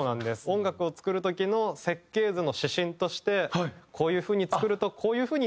音楽を作る時の設計図の指針としてこういう風に作るとこういう風になるよっていう事。